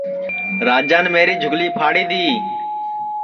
راجان میری جُھگلی پھاڑی دؔی